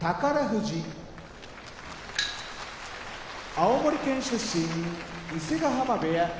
富士青森県出身伊勢ヶ濱部屋